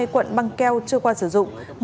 ba mươi quận băng keo chưa qua sử dụng